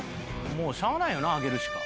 「もうしゃあないよな上げるしか」